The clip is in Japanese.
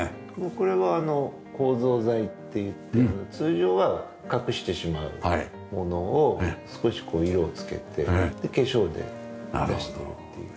これは構造材っていって通常は隠してしまうものを少し色を付けて化粧であれしてるっていう。